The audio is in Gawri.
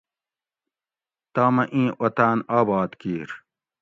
تامہ ایں اوطاۤن آباد کِیر